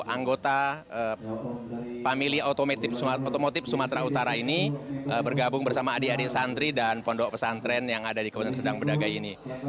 anggota famili otomotif sumatera utara ini bergabung bersama adik adik santri dan pondok pesantren yang ada di kabupaten sedang bedagai ini